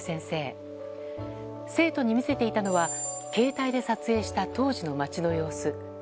生徒に見せていたのは携帯で撮影した当時の街の様子。